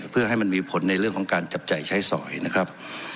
เพื่อให้มันมีผลในเรื่องของการจับจ่ายใช้สอยนะครับ